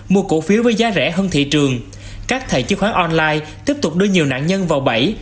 mua cổ phiếu với giá rẻ hơn thị trường các thầy chứng khoán online tiếp tục đưa nhiều nạn nhân vào bẫy